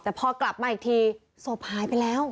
แต่พอกลับมาอีกทีศพหายไปแล้ว